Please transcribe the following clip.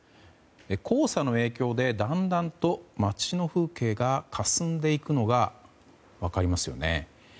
黄砂の影響でだんだんと街の風景がかすんでいくのが分かりますよね。